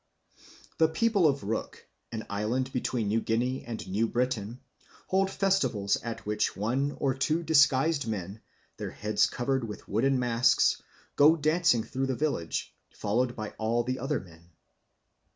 The people of Rook, an island between New Guinea and New Britain, hold festivals at which one or two disguised men, their heads covered with wooden masks, go dancing through the village, followed by all the other men.